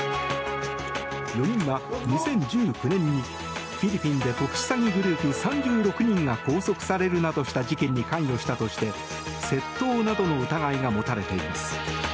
４人は２０１９年にフィリピンで特殊詐欺グループ３６人が拘束されるなどした事件に関与したとして窃盗などの疑いが持たれています。